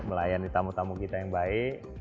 melayani tamu tamu kita yang baik